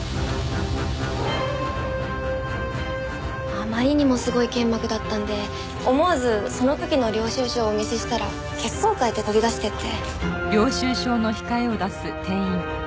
あまりにもすごい剣幕だったんで思わずその時の領収書をお見せしたら血相変えて飛び出してって。